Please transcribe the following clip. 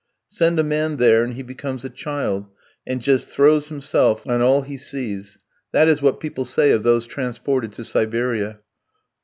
"Send a man there and he becomes a child, and just throws himself on all he sees"; that is what people say of those transported to Siberia.